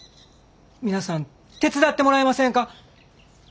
皆さん手伝ってもらえませんか？